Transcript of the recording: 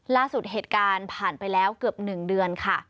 ล่าสุดเหตุการณ์ผ่านไปแล้วเกือบ๑เดือนค่ะ